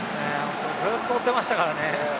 ずっと追っていましたからね。